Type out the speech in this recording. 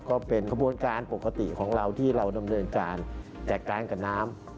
ก็เป็นขบวนการปกติของเราที่เราดำเนินการจัดการกับน้ำ